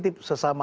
terima kasih pak